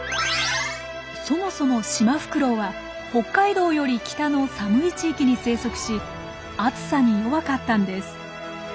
そもそもシマフクロウは北海道より北の寒い地域に生息し暑さに弱かったんです。